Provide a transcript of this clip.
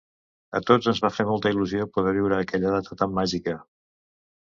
A tots ens va fer molta il·lusió poder viure aquella data tan màgica.